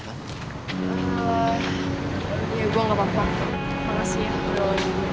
gua juga bingung sih